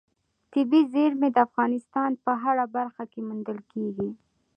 طبیعي زیرمې د افغانستان په هره برخه کې موندل کېږي.